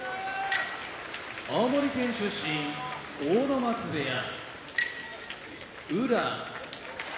青森県出身阿武松部屋宇良